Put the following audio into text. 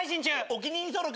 お気に入り登録。